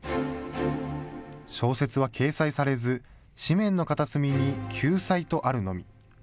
小説は掲載されず、紙面の片隅に休載とあるのみ。